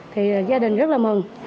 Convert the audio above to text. thì gia đình rất là mừng